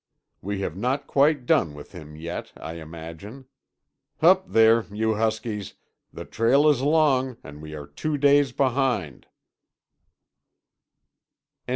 We have not quite done with him yet, I imagine. Hup there, you huskies—the trail is long and we are two days behind!"